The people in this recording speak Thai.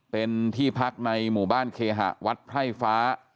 เป็นที่พักในหมู่บ้านเคหะวัดไพร่ฟ้า